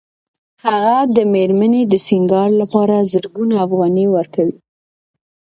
هغه د مېرمنې د سینګار لپاره زرګونه افغانۍ ورکوي